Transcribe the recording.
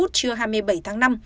trưa hai mươi bảy tháng năm